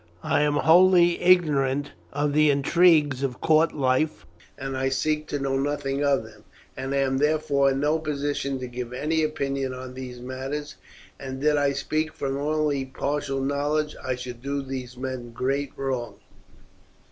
I am wholly ignorant of the intrigues of court life, and I seek to know nothing of them, and am therefore in no position to give any opinion on these matters; and did I speak from only partial knowledge I should do these men great wrong.